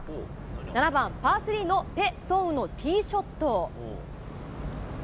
７番パー３のペ・ソンウのティーショット。